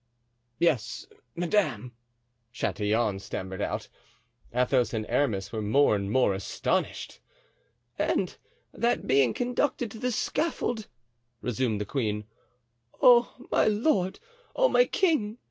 "Yes, madame," Chatillon stammered out. Athos and Aramis were more and more astonished. "And that being conducted to the scaffold," resumed the queen—"oh, my lord! oh, my king!